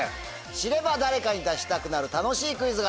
知れば誰かに出したくなる楽しいクイズがたくさん！